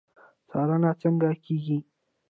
څارنه څنګه کیږي؟